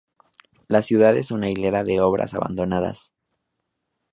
La ciudad es una hilera de obras abandonadas.